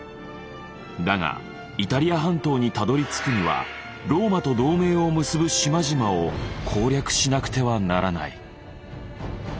だがイタリア半島にたどりつくにはローマと同盟を結ぶ島々を攻略しなくてはならない。